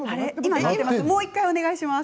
もう１回、お願いします。